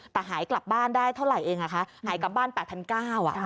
แต่หายกลับบ้านได้เท่าไหร่เองอ่ะคะหายกลับบ้าน๘๙๐๐บาท